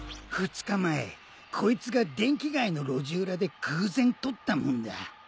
２日前こいつが電気街の路地裏で偶然撮ったもんだ。